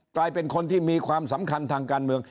กลายเป็นคนที่มีความสำคัญทางการเมือง